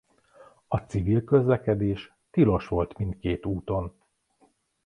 A civil közlekedés tilos volt mindkét úton.